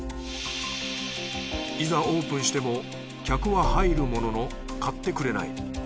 いざオープンしても客は入るものの買ってくれない。